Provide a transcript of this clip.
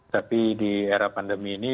tapi di era pandemi ini